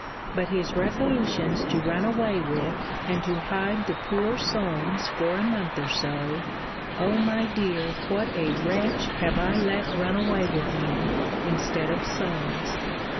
But his resolutions to run away with and to hide the poor Solmes for a month or so, O my dear! what a wretch have I let run away with me, instead of Solmes!